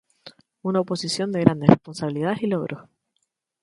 Una posición de grandes responsabilidades y logros.